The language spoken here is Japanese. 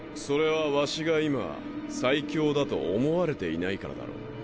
それはワシが今最強だと思われていないからだろう。